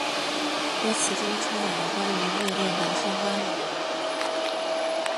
歌词中充满了关于虐恋的双关语。